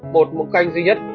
một muỗng canh duy nhất